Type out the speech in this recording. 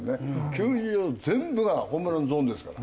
球場全部がホームランゾーンですから。